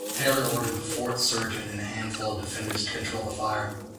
Taylor ordered the fort's surgeon and a handful of defenders to control the fire.